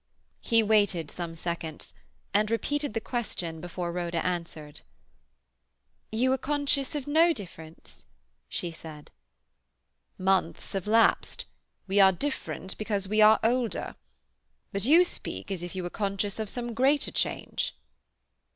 He waited some seconds, and repeated the question before Rhoda answered. "You are conscious of no difference?" she said. "Months have elapsed. We are different because we are older. But you speak as if you were conscious of some greater change."